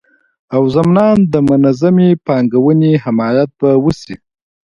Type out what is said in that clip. او ضمنان د منظمي پانګوني حمایت به وسي